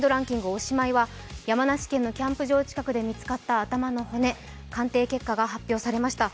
おしまいは山梨県のキャンプ場近くで見つかった頭の骨鑑定結果が発表されました。